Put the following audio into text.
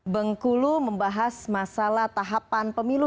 bengkulu membahas masalah tahapan pemilu